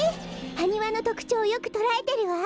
ハニワのとくちょうよくとらえてるわ。